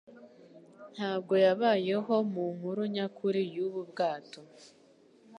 ntabwo yabayeho mu nkuru nyakuri y'ubu bwato.